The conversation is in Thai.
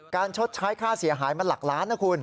ชดใช้ค่าเสียหายมันหลักล้านนะคุณ